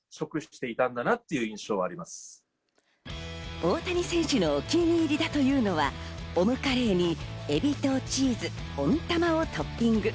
大谷選手のお気に入りだというのはオムカレーにエビとチーズ、温玉をトッピング。